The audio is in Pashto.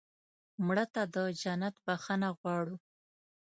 مړه ته د جنت بښنه غواړو